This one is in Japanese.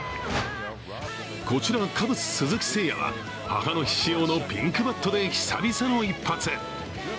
こちらカブス・鈴木誠也は母の日仕様のピンクバットで久々の一発。